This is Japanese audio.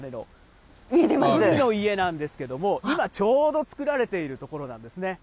海の家なんですけれども、今、ちょうど作られているところなんですね。